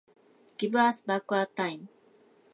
Give us back our time.